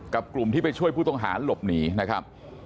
กลุ่มที่ไปช่วยผู้ต้องหาหลบหนีนะครับ